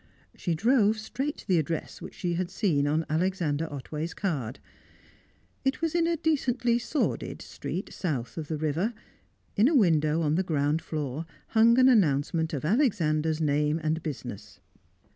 She drove straight to the address which she had seen on Alexander Otway's card. It was in a decently sordid street south of the river; in a window on the ground floor hung an announcement of Alexander's name and business.